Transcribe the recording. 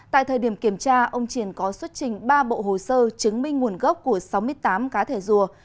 tại thời điểm kiểm tra ông triển có xuất trình ba bộ hồ sơ chứng minh nguồn gốc của sáu mươi tám cá thể rùa